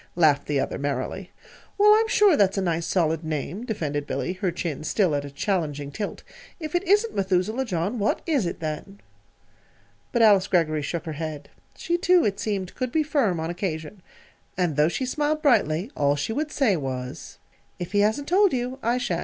laughed the other, merrily. "Well, I'm sure that's a nice, solid name," defended Billy, her chin still at a challenging tilt. "If it isn't 'Methuselah John,' what is it, then?" But Alice Greggory shook her head. She, too, it seemed, could be firm, on occasion. And though she smiled brightly, all she would say, was: "If he hasn't told you, I sha'n't.